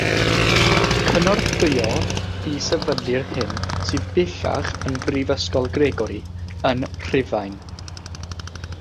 Cynorthwyodd i sefydlu'r hyn sydd bellach yn Brifysgol Gregori yn Rhufain.